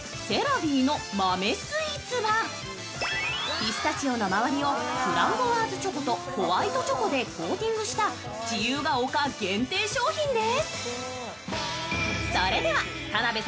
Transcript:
ピスタチオの周りをフランボワーズチョコとホワイトチョコでコーティングした自由が丘限定商品です。